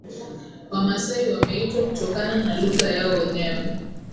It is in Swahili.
Wamasai wameitwa kutokana na lugha yao wenyewe